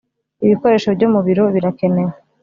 Ibikoresho byo mu biro birakenewe